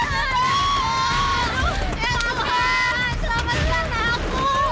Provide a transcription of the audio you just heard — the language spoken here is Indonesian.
ya tuhan selamatkan aku